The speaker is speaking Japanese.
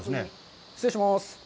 失礼します。